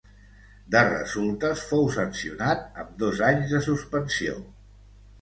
De resultes fou sancionat amb dos anys de suspensió.